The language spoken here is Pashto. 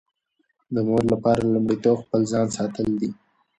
د مور لپاره لومړیتوب خپل ځان ساتل دي.